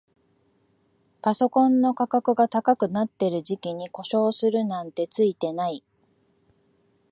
パソコンの価格が高くなってる時期に故障するなんてツイてない